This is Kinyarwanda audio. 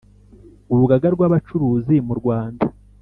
Urugaga ry Abacuruzi Mu Rwanda